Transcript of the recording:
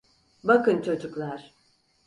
Bakın çocuklar…